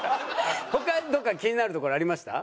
他にどこか気になるところありました？